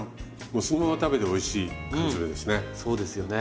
もうそのまま食べておいしい缶詰ですね。